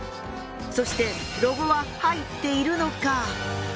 そしてロゴは入っているのか？